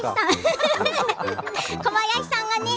小林さんがね